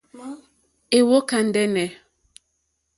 Èwókà ndɛ́nɛ̀.